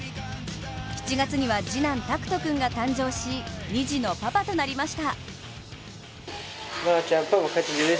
７月には、次男・大空翔君が誕生し２児のパパとなりました。